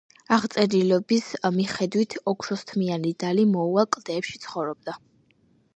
აღწერილობის მიხედვით, ოქროსთმიანი დალი მიუვალ კლდეებში ცხოვრობდა.